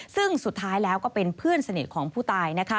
ซึ่งสุดท้ายแล้วก็เป็นเพื่อนสนิทของผู้ตาย